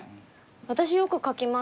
私よく書きます。